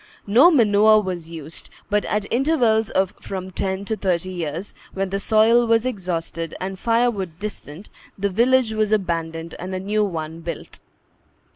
No manure was used; but, at intervals of from ten to thirty years, when the soil was exhausted, and firewood distant, the village was abandoned and a new one built.